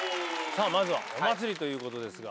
まずは「お祭り」ということですが。